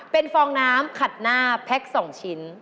เป็นฟองน้ำขัดหน้าแพ็ค๒ชิ้น